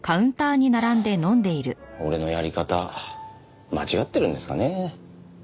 俺のやり方間違ってるんですかね。